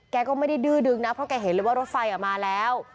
แกก็ไม่ได้ดื้อดึงนะเพราะแกเห็นเลยว่ารถไฟมาแล้ว